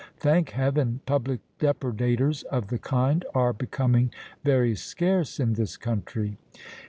Thank heaven! public depredators of the kind are becoming very scarce in this country!"